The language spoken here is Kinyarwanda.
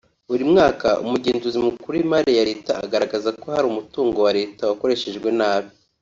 Buri mwaka Umugenzuzi mukuru w’imari ya leta agaragaza ko hari umutungo wa Leta wakoreshejwe nabi